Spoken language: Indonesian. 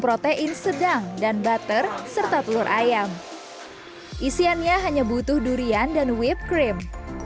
protein sedang dan butter serta telur ayam isiannya hanya butuh durian dan whippe cream